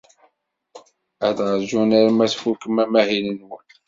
Ad ṛjunt arma tfukem amahil-nwen.